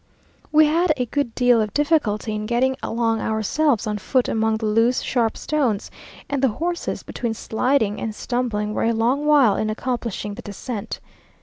We had a good deal of difficulty in getting along ourselves on foot among the loose, sharp stones, and the horses, between sliding and stumbling, were a long while in accomplishing the descent.